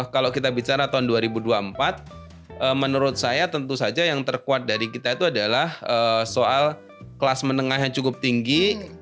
kalau kita bicara tahun dua ribu dua puluh empat menurut saya tentu saja yang terkuat dari kita itu adalah soal kelas menengah yang cukup tinggi